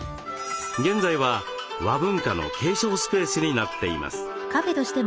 現在は和文化の継承スペースになっています。